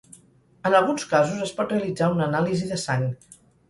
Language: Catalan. En alguns casos es pot realitzar una anàlisi de sang.